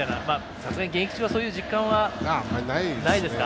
さすがに現役中はそういう実感はないですか。